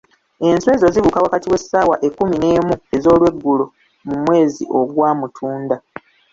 Enswa ezo zibuuka wakati w'essaawa ekkumi n'emu ez'olweggulo mu mwezi ogwa Mutunda.